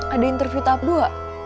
ada interview tahap dua